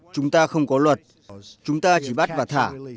chúng ta không có luật chúng ta chỉ bắt và thả